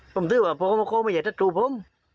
ผมคิดว่าพวกเขาไม่อยากทัดสู้ผม